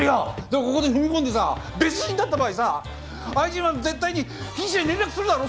でもここで踏み込んでさ別人だった場合さ愛人は絶対に被疑者に連絡するだろ。